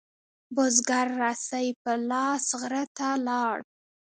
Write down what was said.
بزگر رسۍ په لاس غره ته لاړ.